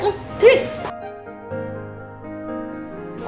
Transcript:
oh tuh tuh tuh